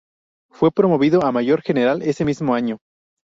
Fue promovido a Mayor General ese mismo año.